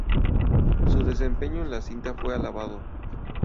Su desempeño en la cinta fue alabado.